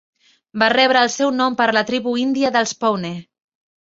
Va rebre el seu nom per la tribu índia dels pawnee.